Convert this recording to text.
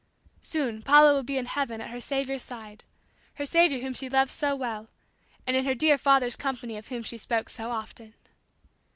Soon Paula will be in heaven at her Saviour's side her Saviour whom she loved so well; and in her dear father's company of whom she spoke so often.